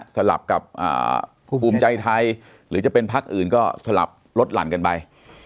สลับกับภูมิใจไทยหรือจะเป็นพักอื่นก็สลับลดหลั่นกันไป